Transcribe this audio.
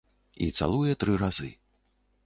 І цалуе тры разы.